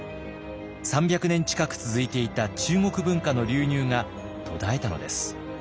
３００年近く続いていた中国文化の流入が途絶えたのです。